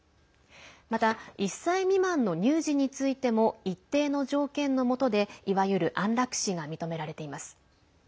また１歳未満の乳児についても一定の条件のもとでいわゆる安楽死が認められています。